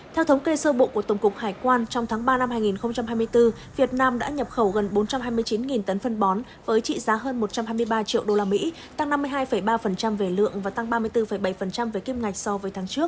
theo thống kê sơ bộ của tổng cục hải quan trong tháng ba năm hai nghìn hai mươi bốn việt nam đã nhập khẩu gần bốn trăm hai mươi chín tấn phân bón với trị giá hơn một trăm hai mươi ba triệu usd tăng năm mươi hai ba về lượng và tăng ba mươi bốn bảy về kim ngạch so với tháng trước